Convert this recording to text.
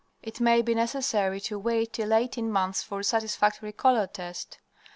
It may be necessary to wait till eighteen months for a satisfactory color test.